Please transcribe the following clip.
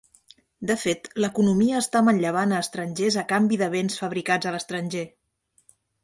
De fet, l'economia està manllevant a estrangers a canvi de béns fabricats a l'estranger.